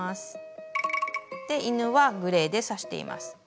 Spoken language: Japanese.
犬はグレーで刺しています。